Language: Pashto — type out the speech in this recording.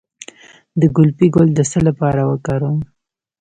د ګلپي ګل د څه لپاره وکاروم؟